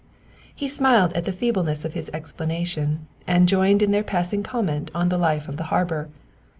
He smiled at the feebleness of his explanation, and joined in their passing comment on the life of the harbor.